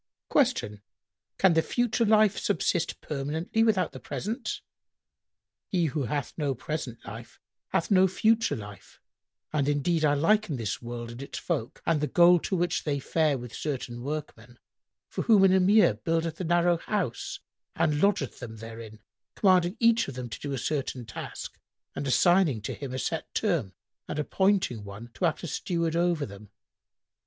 Q "Can the future life subsist permanently without the present?"—"He who hath no present life hath no future life: and indeed I liken this world and its folk and the goal to which they fare with certain workmen, for whom an Emir buildeth a narrow house and lodgeth them therein, commanding each of them to do a certain task and assigning to him a set term and appointing one to act as steward over them.